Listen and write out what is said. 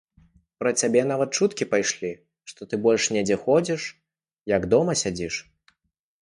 А пра цябе нават чуткі пайшлі, што ты больш недзе ходзіш, як дома сядзіш.